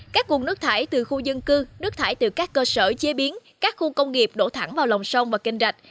các nguồn nước thải từ khu dân cư nước thải từ các cơ sở chế biến các khu công nghiệp đổ thẳng vào lòng sông và kênh rạch